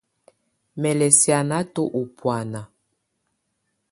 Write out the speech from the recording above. Mɛ lɛ sianatɔ u bùána.